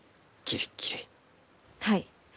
はい。